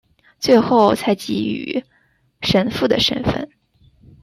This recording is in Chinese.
最后才给予神父的身分。